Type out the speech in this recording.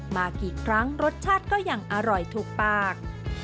มากี่ครั้งรสชาติก็ยังอร่อยถูกปาก